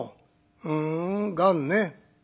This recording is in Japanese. ふんがんね」。